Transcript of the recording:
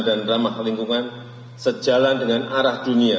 dan ramah lingkungan sejalan dengan arah dunia